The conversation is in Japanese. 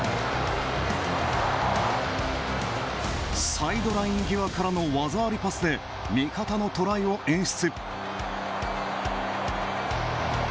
サイドライン際からの技ありパスで味方のトライを演出。